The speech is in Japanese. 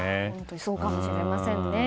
そうかもしれませんね。